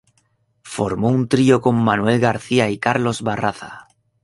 Formó un trío con Manuel García y Carlos Barraza.